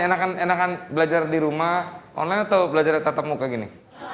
enakan enakan belajar di rumah online atau belajar tatap muka gini